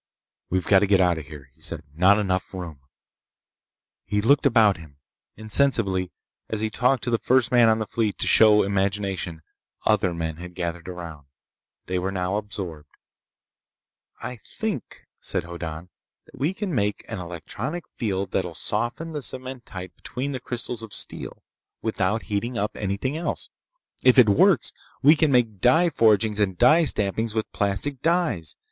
"We've got to get out of here!" he said. "Not enough room!" He looked about him. Insensibly, as he talked to the first man on the fleet to show imagination, other men had gathered around. They were now absorbed. "I think," said Hoddan, "that we can make an electronic field that'll soften the cementite between the crystals of steel, without heating up anything else. If it works, we can make die forgings and die stampings with plastic dies!